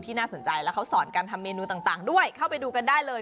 น่าสนใจแล้วเขาสอนการทำเมนูต่างด้วยเข้าไปดูกันได้เลย